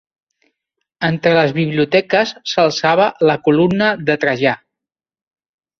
Entre les biblioteques s'alçava la Columna de Trajà.